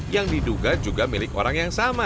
yang diduga juga milik orang yang sama